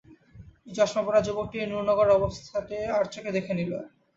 এই চশমা-পরা যুবকটি নুরনগরের অবস্থাটা আড়চোখে দেখে নিলে।